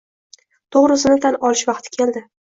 To‘g‘risini tan olish vaqti keldi: